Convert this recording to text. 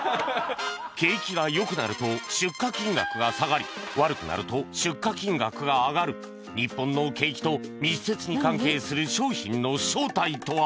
景気が良くなると出荷金額が下がり悪くなると出荷金額が上がる日本の景気と密接に関係する商品の正体とは？